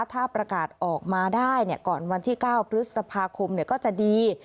ถ้าประกาศออกมาได้ก่อนวันที่๙พฤษภาคมก็จะดี